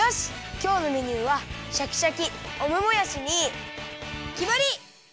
きょうのメニューはシャキシャキオムもやしにきまり！